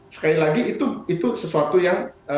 sekali lagi itu sesuatu yang